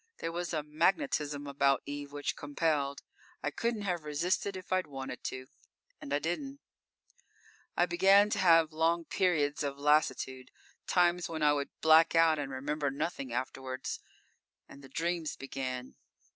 There was a magnetism about Eve which compelled. I couldn't have resisted if I'd wanted to and I didn't._ _I began to have long periods of lassitude, times when I would black out and remember nothing afterwards. And the dreams began.